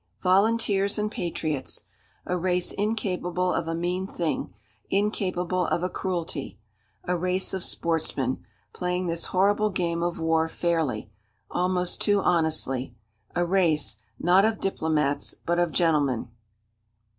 Volunteers and patriots! A race incapable of a mean thing, incapable of a cruelty. A race of sportsmen, playing this horrible game of war fairly, almost too honestly. A race, not of diplomats, but of gentlemen.